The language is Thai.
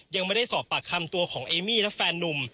ยังไม่ได้สอบปากคำตัวของเอมี่และแฟนนุ่ม